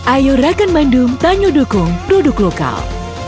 ayo rakan mandum tanjung dukung produk lokal